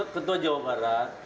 ketua jawa barat